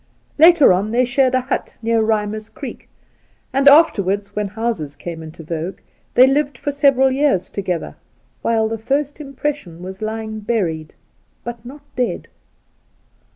Later on they shared , a hut near Rimer's Creek, and afterwards, when houses came into vogue, they lived for several years together, whUe the first impression was lying buried, but not dead.